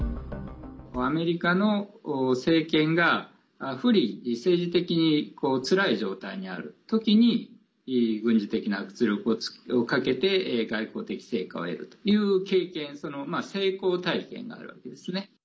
アメリカの政権が不利政治的につらい状態にあるときに軍事的な圧力をかけて外交的成果を得るという経験成功体験があるわけですね。